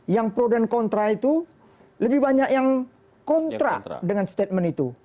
yang pro dan kontra itu lebih banyak yang kontra dengan statement itu